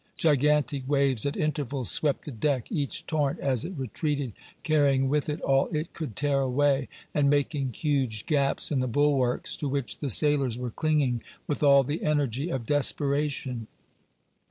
Gigantic waves at intervals swept the deck, each torrent as it retreated carrying with it all it could tear away, and making huge gaps in the bulwarks, to which the sailors were clinging with all the energy of desperation.